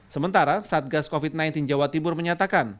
sementara satgas covid sembilan belas jawa timur menyatakan